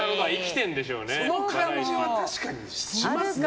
その感じは確かにしますね。